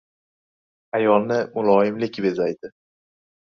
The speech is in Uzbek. • Ayolni muloyimlik bezaydi.